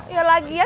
ya lagi ya